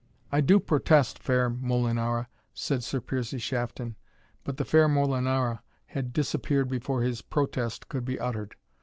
"I do protest, fair Molinara," said Sir Piercie Shafton but the fair Molinara had disappeared before his protest could be uttered.